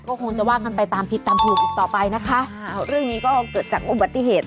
ก็คงจะว่ากันไปตามผิดตามถูกอีกต่อไปนะคะเรื่องนี้ก็เกิดจากอุบัติเหตุ